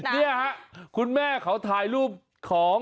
นี่ค่ะคุณแม่เขาถ่ายรูปของ